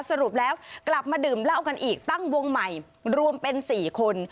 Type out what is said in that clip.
สรุปแล้วกลับมาดื่มเหล้ากันอีกตั้งวงใหม่รวมเป็น๔คน